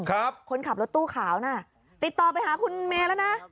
คนขับรถตู้ขาวน่ะติดต่อไปหาคุณเมย์แล้วนะ